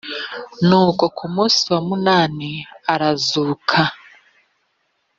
nuko ku munsi wa munani arazuka